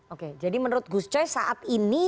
oke jadi menurut gus coy saat ini